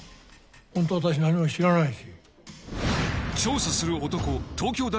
本当私何も知らないし。